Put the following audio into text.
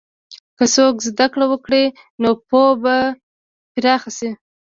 که څوک زده کړه وکړي، نو پوهه به پراخه شي.